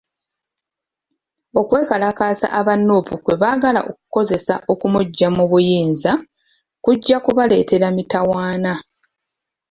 Okwekalakaasa aba Nuupu kwe bagaala okukozesa okumuggya mu buyinza, kujja kubaleetera mitawaana.